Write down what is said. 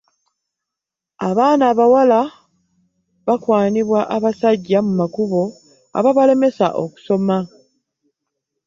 abaana abawala bakwanibwa abasajja mu makubo ababalemesa okusoma